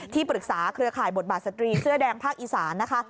ที่ปรึกษาเครือข่ายบทบาทสตรีเสื้อแดงภาคอีสานนะคะ